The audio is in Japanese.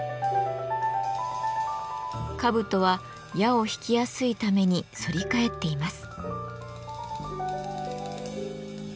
兜は矢を引きやすいために反り返っています。